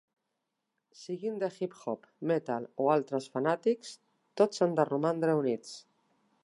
Sigui de hip-hop, metal o altres fanàtics, tots han de romandre units.